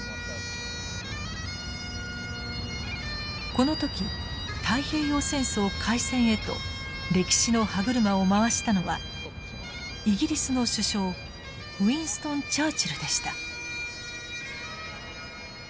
この時太平洋戦争開戦へと歴史の歯車を回したのはイギリスの首相ウィンストン・チャーチルでした。